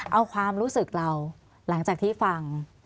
เอาความรู้สึกเราหลังจากที่ฟัง